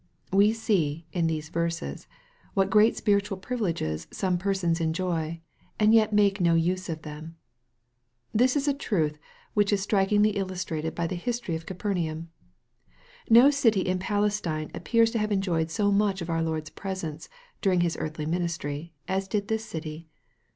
We see, in these verses, what great spiritual privileges come persons enjoy, and yet make no use of them. This is a truth which is strikingly illustrated by the history of Capernaum. No city in Palestine appears to have enjoyed so much of our Lord's presence, during His earthly ministry, as did this city.